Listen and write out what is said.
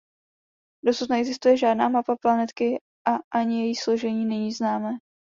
Dosud neexistuje žádná mapa planetky a ani její složení není známé.